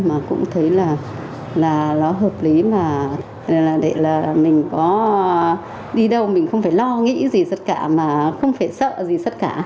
tôi cũng thấy là nó hợp lý mà để là mình có đi đâu mình không phải lo nghĩ gì sất cả mà không phải sợ gì sất cả